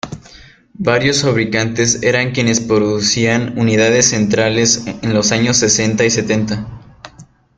Varios fabricantes eran quienes producían unidades centrales en los años sesenta y setenta.